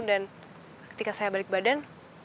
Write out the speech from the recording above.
ketika saya balik badan